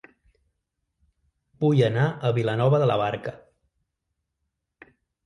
Vull anar a Vilanova de la Barca